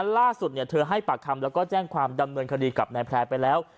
ล่าสุดเธอให้ปากคำแล้วก็แจ้งความดำเนินคดีกับนายแพร่ไปแล้ว